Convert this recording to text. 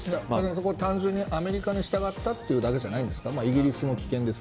そこは単純にアメリカに従ったというだけじゃないんですか。